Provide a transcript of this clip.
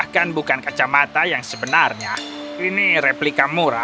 aku juga mendapatkanour pc untuk menangkap kacamata